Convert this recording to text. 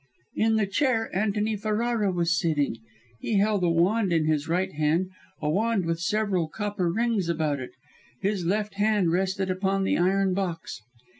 "In the chair Antony Ferrara was sitting. He held a wand in his right hand a wand with several copper rings about it; his left hand rested upon the iron box.